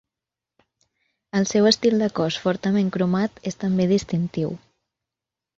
El seu estil de cos fortament cromat és també distintiu.